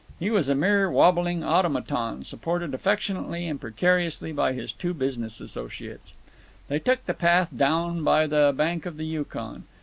He was a mere wobbling automaton, supported affectionately and precariously by his two business associates. They took the path down by the bank of the Yukon.